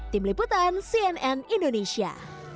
tim liputan cnn indonesia